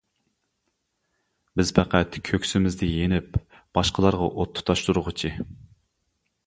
بىز پەقەت كۆكسىمىزدە يېنىپ، باشقىلارغا ئوت تۇتاشتۇرغۇچى.